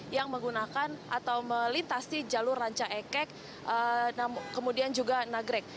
yang menggunakan atau melintasi jalur rancayakek kemudian juga nagrek